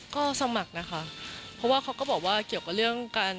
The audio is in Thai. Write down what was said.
ก็สมัครนะคะเพราะว่าเขาก็บอกว่าเกี่ยวกับเรื่องการ